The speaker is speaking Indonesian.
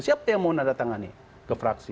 siapa yang mau nada tangan nih ke fraksi